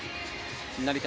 成田